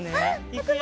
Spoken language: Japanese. いくよ！